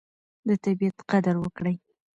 د طبیعت قدر وکړئ.